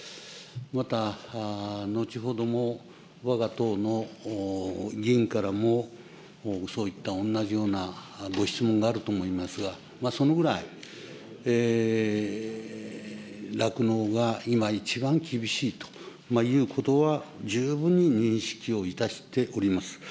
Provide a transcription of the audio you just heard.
また後ほどもわが党の議員からもそういった同じようなご質問があると思いますが、そのぐらい、酪農が今、一番厳しいということは十分に認識をいたしております。